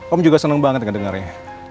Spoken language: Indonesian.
om juga senang banget dengan dengarnya